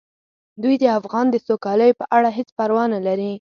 دوی د افغان د سوکالۍ په اړه هیڅ پروا نه لري.